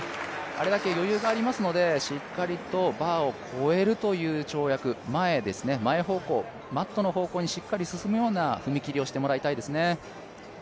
あれだけ余裕がありますので、しっかりとバーを超えるという跳躍、前方向、マットの方向にしっかり進むような踏み切りをしてもらいたいですね。